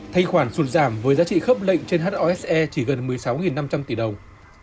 thay khoản sụt giảm với giá trị khớp lệnh trên hose chỉ gần một mươi sáu năm trăm linh tỷ đồng